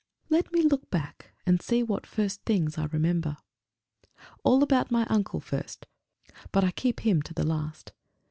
Let me look back and see what first things I first remember! All about my uncle first; but I keep him to the last.